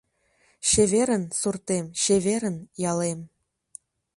Чеверын, суртем, чеверын, ялем